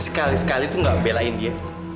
sekali sekali tuh gak belain dia